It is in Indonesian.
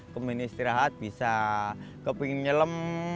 kemudian istirahat bisa kepingin nyelam